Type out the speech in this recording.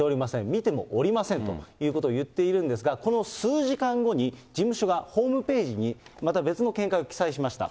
見てもおりませんということを言っているんですが、この数時間後に、事務所がホームページに、また別の見解を記載しました。